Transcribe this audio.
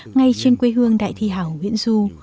ngay trên quê hương đại thi hảo nguyễn du